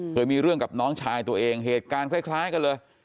เคยมีเรื่องกับน้องชายตัวเองเหตุการณ์คล้ายกันเลย